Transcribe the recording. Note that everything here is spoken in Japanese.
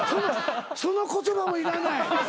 その言葉もいらない。